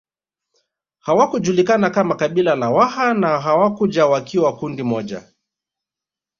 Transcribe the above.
Hawakujulikana kama kabila la Waha na hawakuja wakiwa kundi moja